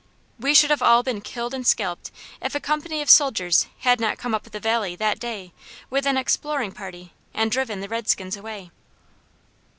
We should have all been killed and scalped if a company of soldiers had not come up the valley that day with an exploring party and driven the red skins away.